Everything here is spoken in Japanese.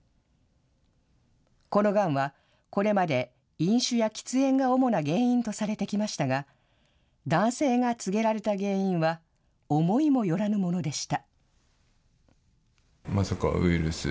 このがんは、これまで飲酒や喫煙が主な原因とされてきましたが、男性が告げられた原因は、思いもよらぬものでした。